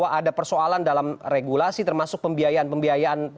ada persoalan dalam regulasi termasuk pembiayaan pembiayaan